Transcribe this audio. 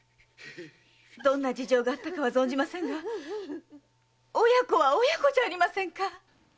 どんな事情があったかは存じませんが親子は親子じゃありませんか！